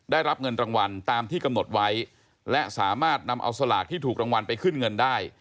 ได้รับเงินรางวัลตามที่กำหนดไว้และสามารถนำเอาสลากที่ถูกรางวัลไปขึ้นเงินได้